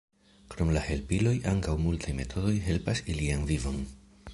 Krom la helpiloj ankaŭ multa metodoj helpas ilian vivon.